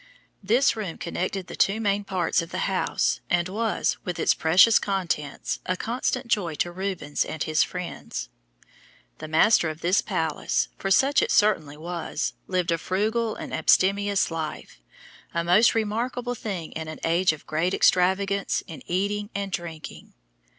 This room connected the two main parts of the house and was, with its precious contents, a constant joy to Rubens and his friends. The master of this palace, for such it certainly was, lived a frugal and abstemious life, a most remarkable thing in an age of great extravagance in eating and drinking.